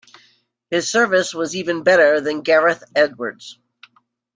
His service was even better than Gareth Edwards.